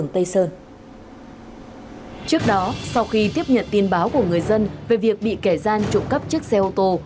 trước đó sau khi tiếp nhận tin báo của người dân về việc bị kẻ gian trộm cắp chiếc xe ô tô